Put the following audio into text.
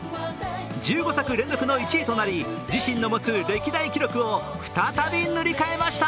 １５作連続の１位となり、自身の持つ歴代記録を再び塗り替えました。